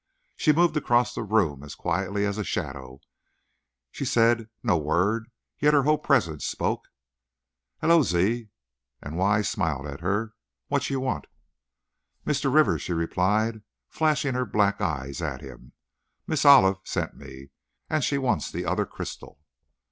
She moved across the room as quietly as a shadow, she said no word, yet her whole presence spoke. "Hello, Ziz," and Wise smiled at her. "Watcha want?" "Mr. Rivers," she replied, flashing her black eyes at him. "Miss Olive sent me. And she wants the other crystal."